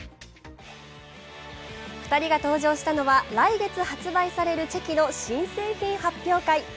２人が登場したのは来月発売される新製品発表会。